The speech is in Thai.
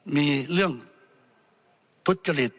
มีเรื่องทุจริต